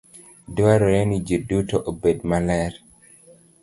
Dwarore ni ji duto obed maler.